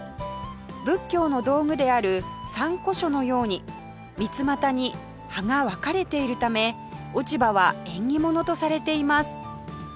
仏教の道具である三鈷杵のように三つまたに葉が分かれているため落ち葉は縁起ものとされています